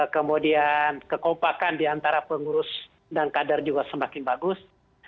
kemudian kekompakan diantara pengurus dan kader juga semakin bagus